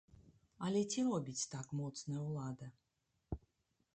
Але ці робіць так моцная ўлада?